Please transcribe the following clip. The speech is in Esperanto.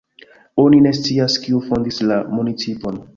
Oni ne scias kiu fondis la municipon.